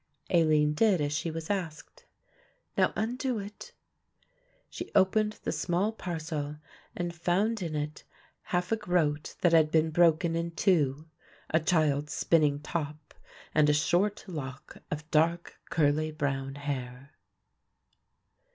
Aline did as she was asked. "Now undo it." She opened the small parcel and found in it half a groat that had been broken in two, a child's spinning top and a short lock of dark curly brown hair.